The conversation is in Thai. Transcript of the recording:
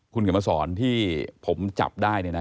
คุณก็มาสอนที่ผมจับได้เนี้ยนะ